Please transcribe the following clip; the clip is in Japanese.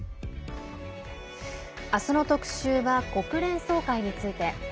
明日の特集は国連総会について。